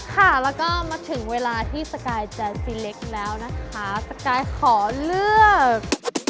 ค่ะแล้วก็มาถึงเวลาที่สกายแนนซีเล็กแล้วนะคะสกายขอเลือก